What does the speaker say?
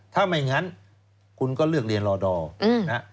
ถ้าไม่อย่างนั้นคุณก็เลือกเรียนรอดอล